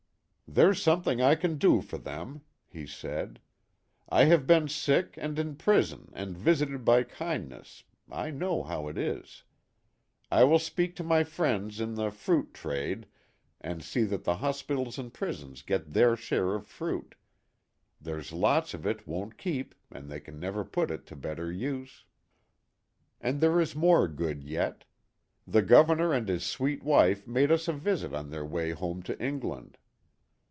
" There's something I can do for them," he said. " I have been sick and in prison and visited by kindness I know how it is. I will speak to my friends in the fruit trade and see l66 THE HAT OF THE POSTMASTER. that the hospitals and prisons get their share of fruit there's lots of it won't keep and they can never put it to better use." And there is more good yet. The Governor and his sweet wife made us a visit on their way home to England.